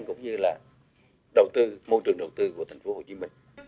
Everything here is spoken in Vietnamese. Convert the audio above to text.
cũng như là môi trường đầu tư của tp hcm